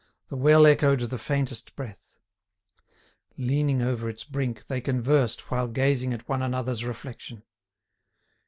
The well echoed the faintest breath. Leaning over its brink, they conversed while gazing at one another's reflection.